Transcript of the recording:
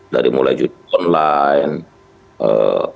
dari mulai online